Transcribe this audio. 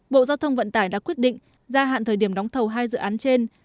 bộ giao thông vận tải đã quyết định gia hạn thời điểm đóng thầu hai dự án trên